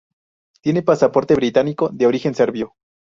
Tiene pasaporte británico de origen serbio.